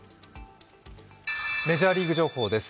メジャーリーグ情報です。